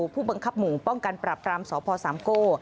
ผู้บังคับหมู่ป้องกันปรับรามสพสามโก้